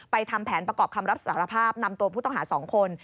ทำแผนประกอบคำรับสารภาพนำตัวผู้ต้องหา๒คน